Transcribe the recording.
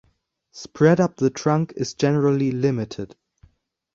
Spread up the trunk is generally limited.